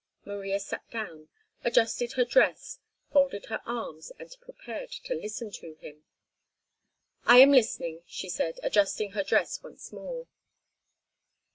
Maria sat down, adjusted her dress, folded her arms, and prepared to listen to him. "I am listening," she said, adjusting her dress once more.